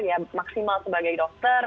ya maksimal sebagai dokter